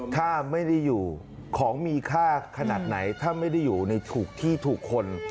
ถ้าไม่ได้อยู่ของมีค่าขนาดไหนถ้าไม่ได้อยู่ในถูกที่ถูกคน